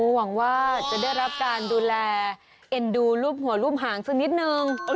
หวังว่าจะได้รับการดูแลเอ็นดูรูปหัวรูปหางสักนิดนึง